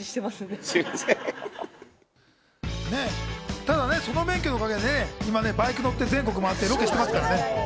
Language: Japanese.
ただその免許のおかげで今バイク乗って全国を回ってロケしてますから。